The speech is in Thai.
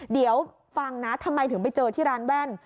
เดี๋ยวฟังนะทำไมถึงไปเจอที่ร้านแว่น